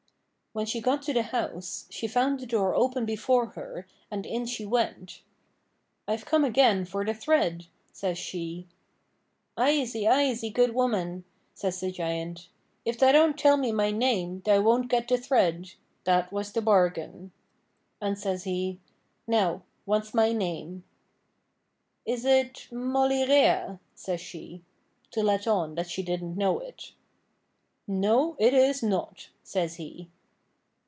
When she got to the house, she found the door open before her, and in she went. 'I've come again for the thread,' says she. 'Aisy, aisy, good woman,' says the Giant. 'If thou don't tell me my name thou won't get the thread that was the bargain.' And says he: 'Now, what's my name?' 'Is it Mollyrea?' says she to let on that she didn't know it. 'No, it is not,' says he.